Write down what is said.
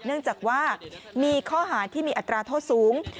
เนื่องจากว่ามีข้อหาที่มีอัตราโทษสูง